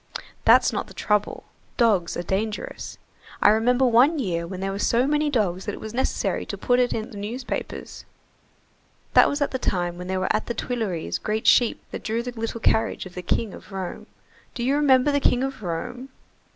"That's not the trouble, dogs are dangerous. I remember one year when there were so many dogs that it was necessary to put it in the newspapers. That was at the time when there were at the Tuileries great sheep that drew the little carriage of the King of Rome. Do you remember the King of Rome?"